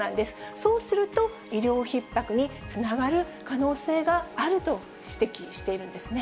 そうすると、医療ひっ迫につながる可能性があると指摘しているんですね。